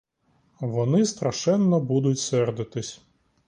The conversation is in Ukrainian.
Вони страшенно будуть сердитись.